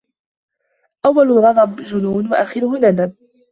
أول الغضب جنون وآخره ندم